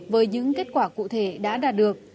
với những kết quả cụ thể đã đạt được